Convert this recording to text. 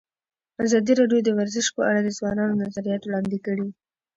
ازادي راډیو د ورزش په اړه د ځوانانو نظریات وړاندې کړي.